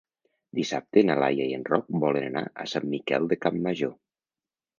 Dissabte na Laia i en Roc volen anar a Sant Miquel de Campmajor.